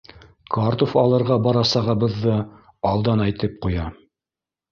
Картуф алырға барасағыбыҙҙы алдан әйтеп ҡуя.